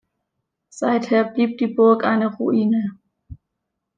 Seither blieb die Burg eine Ruine.